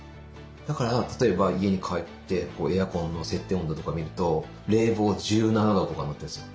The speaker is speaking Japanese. だから例えば家に帰ってエアコンの設定温度とか見ると冷房１７度とかになってるんですよ。